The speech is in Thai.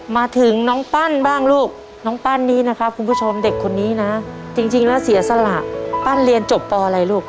มาถึงน้องปั้นบ้างลูกน้องปั้นนี้นะครับคุณผู้ชมเด็กคนนี้นะจริงแล้วเสียสละปั้นเรียนจบปอะไรลูก